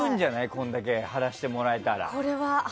これだけ貼らせてもらえたら。